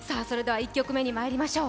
１曲目にまいりましょう。